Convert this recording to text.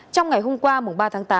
trong ngày hôm qua mùng ba tháng tám